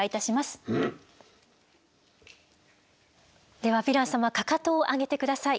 ではヴィラン様かかとを上げて下さい。